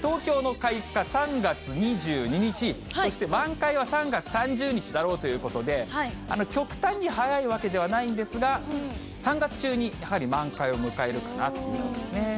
東京の開花、３月２２日、そして満開は３月３０日だろうということで、極端に早いわけではないんですが、３月中にやはり満開を迎えるかなという感じですね。